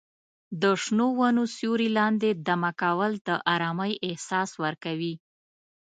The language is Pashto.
د شنو ونو سیوري لاندې دمه کول د ارامۍ احساس ورکوي.